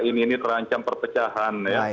ini terancam perpecahan